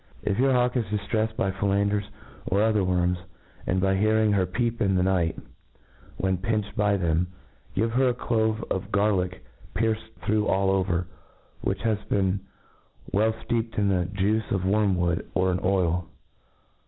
If your hawk is diftreffed by fellanders or other worms, and by hearing her peep in the night time, when pinched by them, give her a clove of gar lick pierced through all over, which has been well fteepedin thejuice of worm wood or in oil.